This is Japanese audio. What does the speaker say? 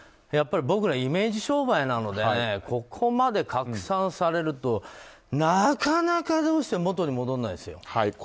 僕らはイメージ商売なのでここまで拡散されるとなかなかどうして元に戻らないですよ。